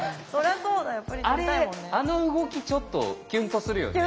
あれあの動きちょっとキュンとするよね。